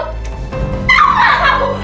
tau lah aku